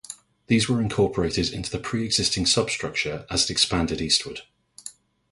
These were incorporated into the preexisting substructure as it expanded eastward.